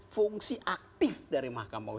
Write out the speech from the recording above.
fungsi aktif dari mahkamah